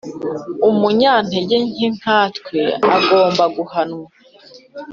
Umunyantegenke nkatwe agomba guhanwa.